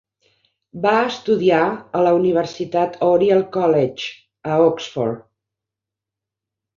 Va estudiar a la Universitat Oriel College, a Oxford.